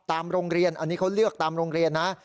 โรงเรียนอันนี้เขาเลือกตามโรงเรียนนะ